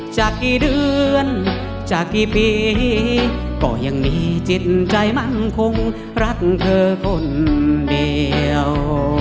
จากกี่เดือนจากกี่ปีก็ยังมีจิตใจมั่งคงรักเธอคนเดียว